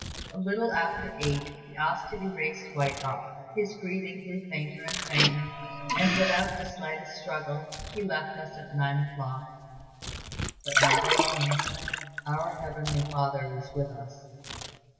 A little after eight he asked to be raised quite up. His breathing grew fainter and fainter, and without the slightest struggle, he left us at nine o'clock, but not alone; our Heavenly Father was with us.